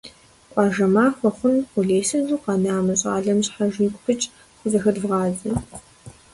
- Къуажэ махуэ хъун, къулейсызу къэна мы щӀалэм щхьэж игу пыкӀ хузэхэдвгъадзэ! –.